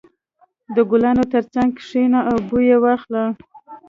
• د ګلانو تر څنګ کښېنه او بوی یې واخله.